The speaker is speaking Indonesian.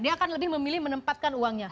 dia akan lebih memilih menempatkan uangnya